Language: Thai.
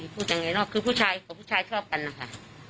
พูดยังไงนะเขาคือผู้ชายหรือผู้ชายชอบกันแหละค่ะ